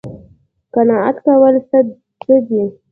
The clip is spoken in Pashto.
قناعت کول څه دي؟